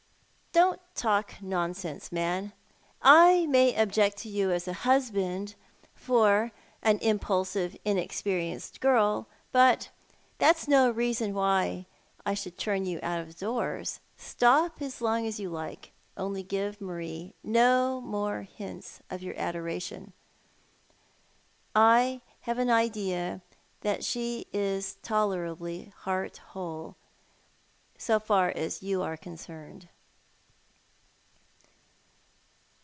" Don't talk nonsense, man. I may object to you as a husband for an impulsive, inexperienced girl — but that's no UrquJiart considers himself Ill tisect. 83 reaEon why I should turn you out of doors. Stop as long as you like; only give Marie no more bints of your adoration. I have an idea that she is tolerably heart whole, so far as you are concerned."